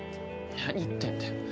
なに言ってんだよ